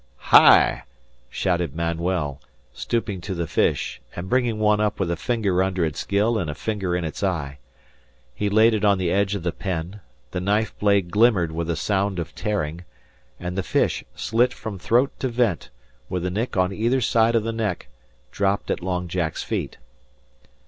"Hi!" shouted Manuel, stooping to the fish, and bringing one up with a finger under its gill and a finger in its eyes. He laid it on the edge of the pen; the knife blade glimmered with a sound of tearing, and the fish, slit from throat to vent, with a nick on either side of the neck, dropped at Long Jack's feet.